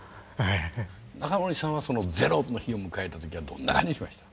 仲盛さんはそのゼロの日を迎えた時はどんな感じしました？